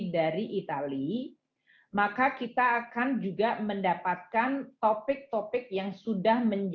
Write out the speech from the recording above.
di sini akan dibahas berbagai proses